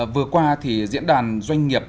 vừa qua thì diễn đàn doanh nghiệp